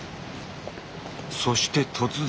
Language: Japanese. そして突然。